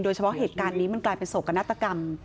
เหตุการณ์นี้มันกลายเป็นโศกนาฏกรรม